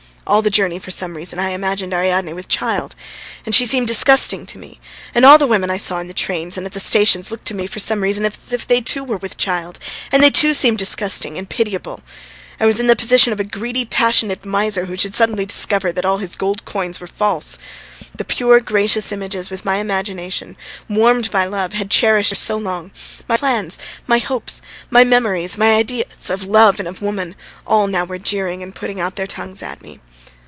All the journey, for some reason, I imagined Ariadne with child, and she seemed disgusting to me, and all the women I saw in the trains and at the stations looked to me, for some reason, as if they too were with child, and they too seemed disgusting and pitiable. I was in the position of a greedy, passionate miser who should suddenly discover that all his gold coins were false. The pure, gracious images which my imagination, warmed by love, had cherished for so long, my plans, my hopes, my memories, my ideas of love and of woman all now were jeering and putting out their tongues at me.